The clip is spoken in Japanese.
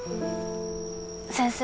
先生。